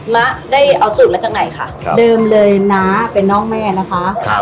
น้าได้เอาสูตรมาจากไหนคะเดิมเลยน้าเป็นน้องแม่นะคะครับ